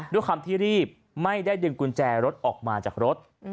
ด้วยความที่รีบไม่ได้ดึงกุญแจรถออกมาจากรถ